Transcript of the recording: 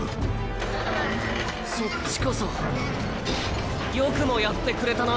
そっちこそよくもやってくれたな。